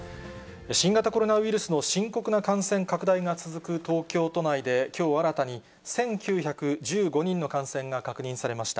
新型コロナウイルスの深刻な感染拡大が続く東京都内で、きょう新たに１９１５人の感染が確認されました。